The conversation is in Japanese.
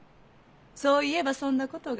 そういえばそんなことが。